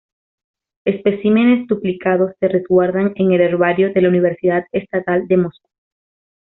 Especímenes duplicados se resguardan en el Herbario de la Universidad Estatal de Moscú.